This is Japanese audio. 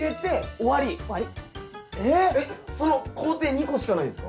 その工程２個しかないんですか？